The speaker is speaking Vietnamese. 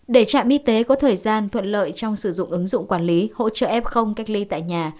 để trạm y tế có thời gian thuận lợi trong sử dụng ứng dụng quản lý hỗ trợ f cách ly tại nhà